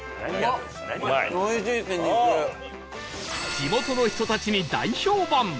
地元の人たちに大評判！